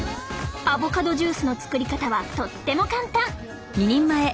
アボカドジュースの作り方はとっても簡単！